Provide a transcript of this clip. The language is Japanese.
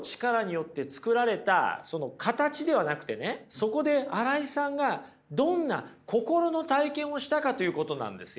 そこで新井さんがどんな心の体験をしたかということなんですよ。